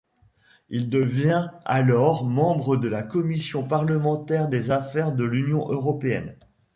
Il devient alors membre de la commission parlementaire des Affaires de l'Union européenne.